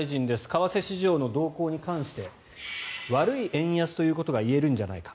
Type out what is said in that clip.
為替市場の動向に関して悪い円安ということがいえるんじゃないか。